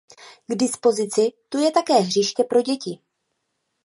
K dispozici tu je také hřiště pro děti.